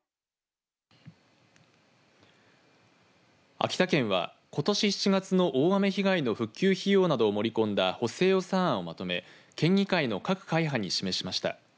秋田県はことし７月の大雨被害の復旧費用などを盛り込んだ補正予算案をまとめ県議会の各会派に示しました。